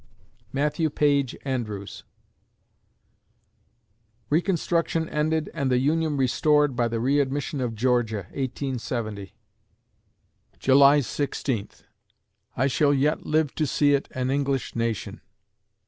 MATTHEW PAGE ANDREWS Reconstruction ended and the Union restored by the readmission of Georgia, 1870 July Sixteenth I shall yet live to see it an English nation.